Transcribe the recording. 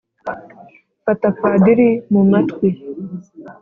fata padiri mu matwi,